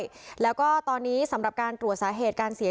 ก็มีเจ้าหน้าที่อาสาสมกู้ภัยอยู่บริเวณนั้นคอยเฝ้าระวังอยู่ด้วย